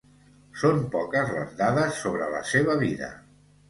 Són poques les dades sobre la seva vida.